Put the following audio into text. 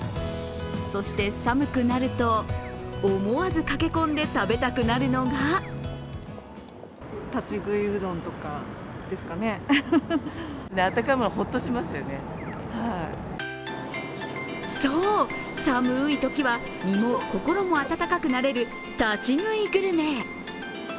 そして寒くなると思わず駆け込んで食べたくなるのがそう、寒いときは身も心も温かくなれる立ち食いグルメ。